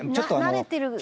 「慣れてる」